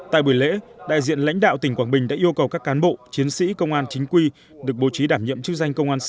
tại buổi lễ đại diện lãnh đạo tỉnh quảng bình đã yêu cầu các cán bộ chiến sĩ công an chính quy được bố trí đảm nhiệm chức danh công an xã